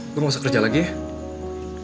gue mau kerja lagi ya